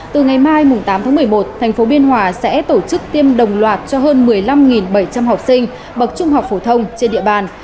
từ ngày mai tám tháng một mươi một thành phố biên hòa sẽ tổ chức tiêm đồng loạt cho hơn một mươi năm bảy trăm linh học sinh bậc trung học phổ thông trên địa bàn